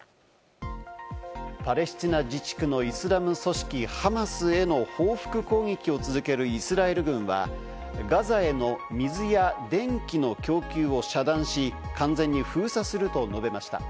パレスチナ自治区のイスラム組織ハマスへの報復攻撃を続けるイスラエル軍は、ガザへの水や電気の供給を遮断し、完全に封鎖すると述べました。